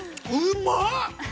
うまっ！